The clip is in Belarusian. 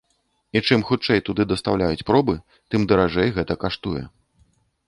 І чым хутчэй туды дастаўляюць пробы, тым даражэй гэта каштуе.